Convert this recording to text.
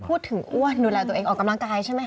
อ้วนดูแลตัวเองออกกำลังกายใช่ไหมค